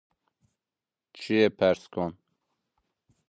Çiyê pers kon.